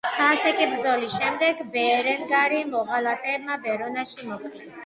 სასტიკი ბრძოლის შემდეგ, ბერენგარი მოღალატეებმა ვერონაში მოკლეს.